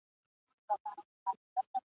چي سودا کوې په څېر د بې عقلانو !.